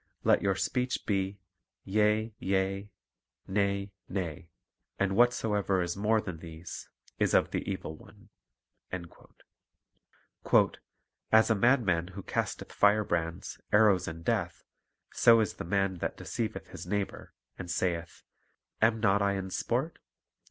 "Let your speech be, Yea, yea; Nay, nay; and what soever is more than these is of the evil one." 3 "As a madman who casteth firebrands, arrows, and death, so is the man that deceiveth his neighbor, and saith, Am not I in sport?"